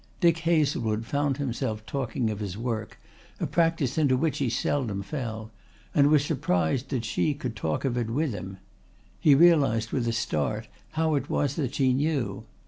Dick Hazlewood found himself talking of his work, a practice into which he seldom fell, and was surprised that she could talk of it with him. He realised with a start how it was that she knew.